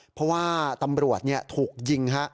เพราะว่าตำรวจถูกยิง